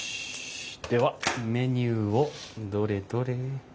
ではメニューをどれどれ？